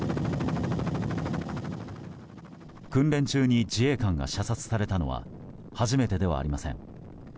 訓練中に自衛官が射殺されたのは初めてではありません。